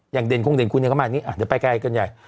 อย่างเด่นคงเด่นคุณเนี่ยเข้ามานี่เดี๋ยวไปไกลกันใหญ่